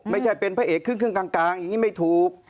ไม่ใช่เป็นพระเอกครึ่งกลางอย่างนี้ไม่ถูก